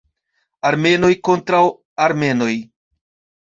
Armenoj kontraŭ Armenoj.